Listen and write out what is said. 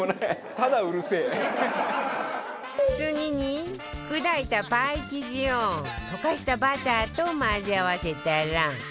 次に砕いたパイ生地を溶かしたバターと混ぜ合わせたら